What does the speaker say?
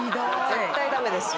絶対駄目ですよ。